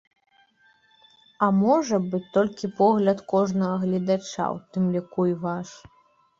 А можа быць толькі погляд кожнага гледача, у тым ліку і ваш.